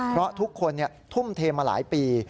เพราะทุกคนทุ่มเทมาหลายปี